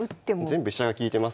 全部飛車が利いてますから。